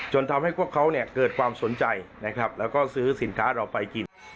ทำให้พวกเขาเกิดความสนใจนะครับแล้วก็ซื้อสินค้าเราไปกิน